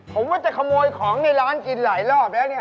ผมว่าจะขโมยของในร้านกินหลายรอบแล้วเนี่ย